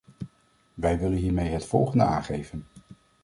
Wij willen hiermee het volgende aangeven.